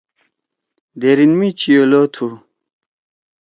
دھیریِن می چِئلو تُھو۔